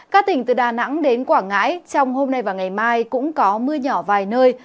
các tỉnh từ đà nẵng đến quảng ngãi trong hôm nay và ngày mai cũng có mưa nhỏ vài nơi